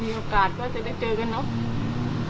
โอกาสก็จะได้เจอกันเนาะ